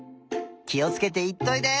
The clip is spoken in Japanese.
きをつけていっといで！